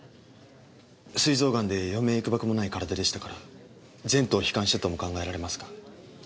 すい臓がんで余命いくばくもない体でしたから前途を悲観したとも考えられますが。